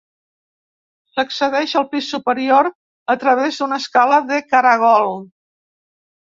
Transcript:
S'accedeix al pis superior a través d'una escala de caragol.